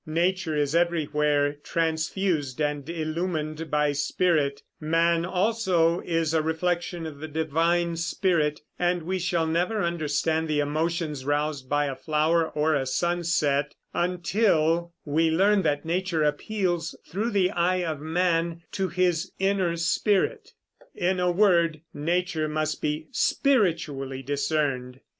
Nature is everywhere transfused and illumined by Spirit; man also is a reflection of the divine Spirit; and we shall never understand the emotions roused by a flower or a sunset until we learn that nature appeals through the eye of man to his inner spirit. In a word, nature must be "spiritually discerned."